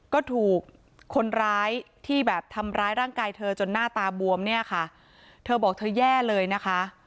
ก็ถูกคนร้ายที่แบบทำร้ายร่างกายเธอจนหน้าตาบวมเนี่ยค่ะเธอบอกเธอแย่เลยนะคะ